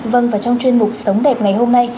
vâng và trong chuyên mục sống đẹp ngày hôm nay